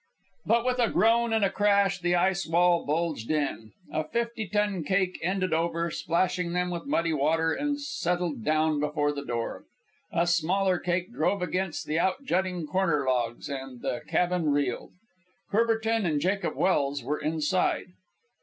But with a groan and a crash, the ice wall bulged in. A fifty ton cake ended over, splashing them with muddy water, and settled down before the door. A smaller cake drove against the out jutting corner logs and the cabin reeled. Courbertin and Jacob Welse were inside.